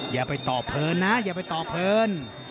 อย่าไปตอบเพลินนะอย่าไปตอบเพลิน